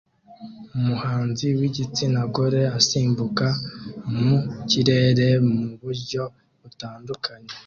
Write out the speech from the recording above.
Umuhanzi wigitsina gore asimbuka mu kirere mu buryo butandukanye